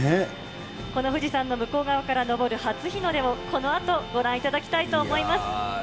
この富士山の向こう側から昇る初日の出をこのあとご覧いただきたいと思います。